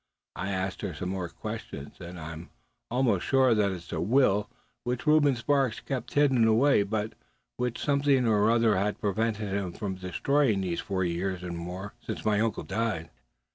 I asked her some more questions, and I'm almost sure that it's a will which Reuben Sparks kept hidden away, but which something or other has prevented him from destroying these four years and more, since my uncle died."